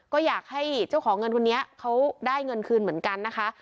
ก็อยากให้เจ้าของเงินคนนี้เขาได้เงินคืนเหมือนกันนะคะ